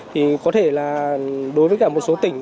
thì có thể là đối với cả một số tỉnh